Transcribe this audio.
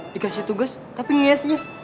dikasih tugas tapi ngiasnya